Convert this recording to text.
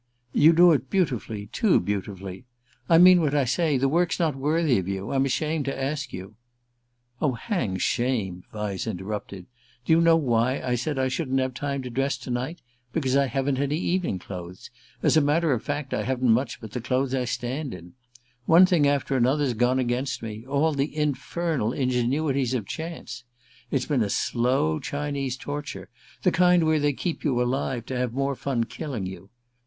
"You do it beautifully, too beautifully. I mean what I say: the work's not worthy of you. I'm ashamed to ask you " "Oh, hang shame," Vyse interrupted. "Do you know why I said I shouldn't have time to dress to night? Because I haven't any evening clothes. As a matter of fact, I haven't much but the clothes I stand in. One thing after another's gone against me; all the infernal ingenuities of chance. It's been a slow Chinese torture, the kind where they keep you alive to have more fun killing you."